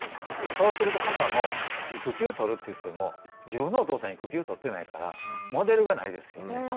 そうするとパパも育休取るっていっても自分のお父さん育休取ってないからモデルがないですよね。